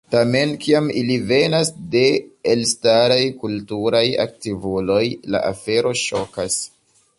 Tamen, kiam ili venas de elstaraj kulturaj aktivuloj, la afero ŝokas.